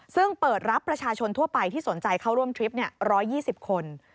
ซึ่งเปิดรับประชาชนทั่วไปที่สนใจเข้าร่วมทริป๑๒๐คน